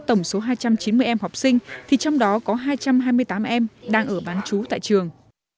tổng số hai trăm chín mươi em học sinh thì trong đó có hai trăm hai mươi tám em đang ở bán chú tại trường